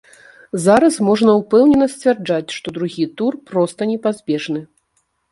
Зараз можна ўпэўнена сцвярджаць, што другі тур проста непазбежны.